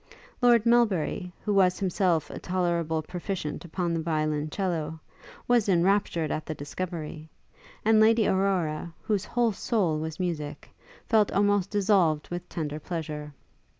Lord Melbury, who was himself a tolerable proficient upon the violoncello, was enraptured at this discovery; and Lady Aurora, whose whole soul was music, felt almost dissolved with tender pleasure.